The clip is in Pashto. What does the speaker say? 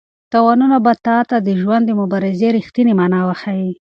تاوانونه به تا ته د ژوند د مبارزې رښتینې مانا وښيي.